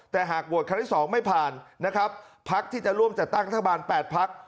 แต่หากโหวดคล้ายสองไม่ผ่านนะครับพลักษณ์ที่จะร่วมจัดตั้งทะบานแปดพลักษณ์